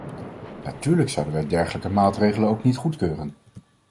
Natuurlijk zouden wij dergelijke maatregelen ook niet goedkeuren.